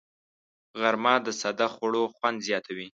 غرمه د ساده خوړو خوند زیاتوي